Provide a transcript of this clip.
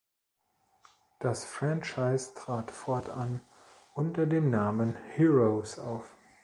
Das Franchise trat fortan unter dem Namen Heroes auf.